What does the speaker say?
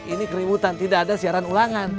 ini keributan tidak ada siaran ulangan